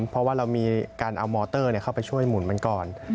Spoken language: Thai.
เพราะว่าเรามีการเอามอเตอร์เข้าไปช่วยหมุนมันก่อน